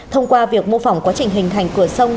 thông qua việc mô phỏng quá trình hình thành cửa sông